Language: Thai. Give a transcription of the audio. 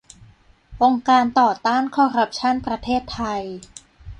องค์การต่อต้านคอร์รัปชั่นประเทศไทย